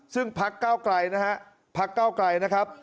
ซึ่งพักก้าวไกลนะครับ